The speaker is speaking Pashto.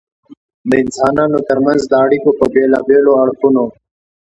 د انسانانو تر منځ د اړیکو په بېلابېلو اړخونو.